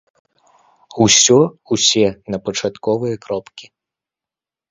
Усё усе на пачатковыя кропкі.